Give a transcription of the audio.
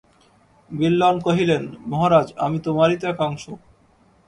বিল্বন কহিলেন, মহারাজ, আমি তোমারই তো এক অংশ।